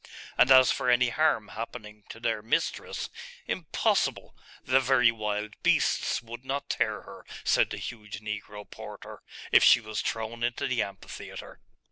And as for any harm happening to their mistress impossible! 'The very wild beasts would not tear her,' said the huge negro porter, 'if she was thrown into the amphitheatre.